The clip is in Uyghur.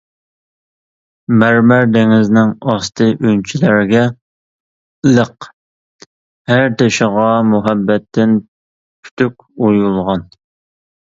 مەرمەر دېڭىزىنىڭ ئاستى ئۈنچىلەرگە لىق، ھەر تېشىغا مۇھەببەتتىن پۈتۈك ئويۇلغان!